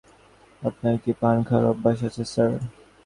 আপনার কি পান খাওয়ার অভ্যাস আছে স্যার?